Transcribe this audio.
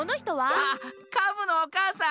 あっカブのおかあさん！